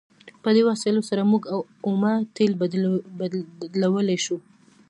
په دې وسایلو سره موږ اومه تیل بدلولی شو.